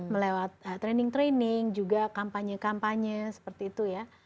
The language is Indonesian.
melewat training training juga kampanye kampanye seperti itu ya